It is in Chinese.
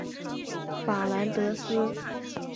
法兰德斯。